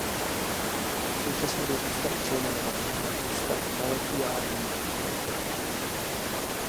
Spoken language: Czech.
Současně byl ústav přejmenován na Ústav molekulární genetiky.